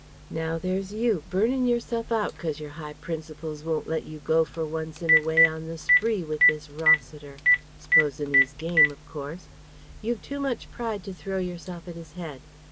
"Now there's you, burning yourself out 'cos your high principles won't let you go for once in a way on the spree with this Rossiter s'posin' 'e's game, of course.... You've too much pride to throw yourself at his head.